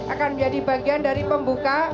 akan menjadi bagian dari pembuka